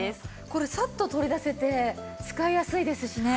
これサッと取り出せて使いやすいですしね。